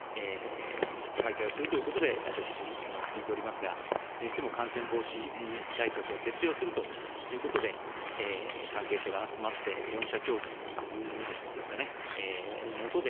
開催をするということで私自身、聞いておりますが、にしても、感染防止対策を徹底をするということで関係者が集まって、４者協議ですかね、の下で、